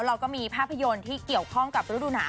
เราก็มีภาพยนตร์ที่เกี่ยวข้องกับฤดูหนาว